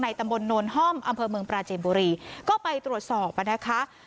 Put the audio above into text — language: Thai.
ตำบลโนนห้อมอำเภอเมืองปราเจมบุรีก็ไปตรวจสอบอ่ะนะคะ